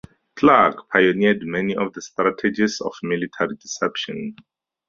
Clarke pioneered many of the strategies of military deception.